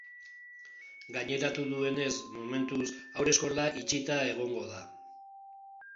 Gaineratu duenez, momentuz, haur eskola itxita egongo da.